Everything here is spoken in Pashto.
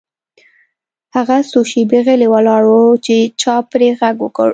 هغه څو شیبې غلی ولاړ و چې چا پرې غږ وکړ